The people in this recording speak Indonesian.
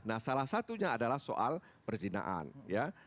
nah salah satunya adalah soal perjinaan ya